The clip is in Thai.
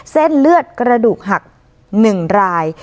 เส้นเลือดกระดูกหัก๑ราย